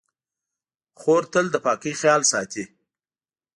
خور تل د پاکۍ خیال ساتي.